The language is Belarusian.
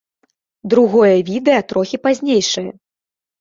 Другое відэа трохі пазнейшае.